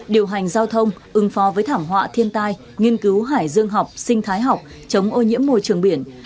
điều hành giao thông ứng phó với thảm họa thiên tai nghiên cứu hải dương học sinh thái học chống ô nhiễm môi trường biển